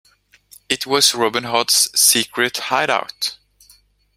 It was Robin Hood's secret hideout.